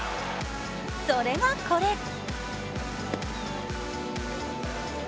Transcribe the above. それがこれ。